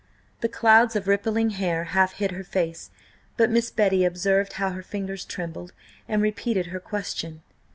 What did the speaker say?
The clouds of rippling hair half hid her face, but Miss Betty observed how her fingers trembled, and repeated her question.